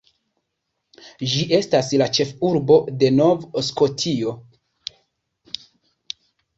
Ĝi estas la ĉefurbo de Nov-Skotio.